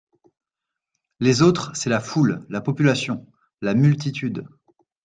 Les autres c’est la foule, la population, la multitude.